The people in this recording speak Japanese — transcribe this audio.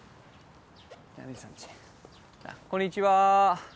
こんにちは。